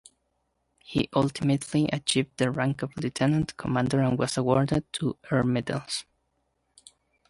He ultimately achieved the rank of Lieutenant Commander and was awarded two Air Medals.